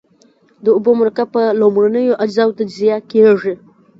د اوبو مرکب په لومړنیو اجزاوو تجزیه کیږي.